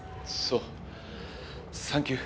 そう。